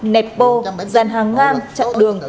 nẹp bô dàn hàng ngang chạm đường